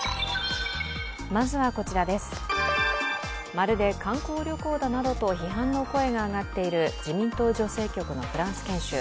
まるで観光旅行だなどと批判の声が上がっている自民党女性局のフランス研修。